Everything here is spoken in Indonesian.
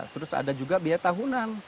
terus ada juga biaya tahunan